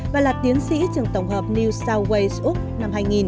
và là tiến sĩ trường tổng hợp new south wales úc năm hai nghìn